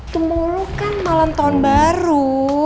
temu lo kan malam tahun baru